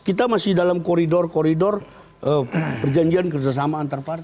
kita masih dalam koridor koridor perjanjian kerjasama antar partai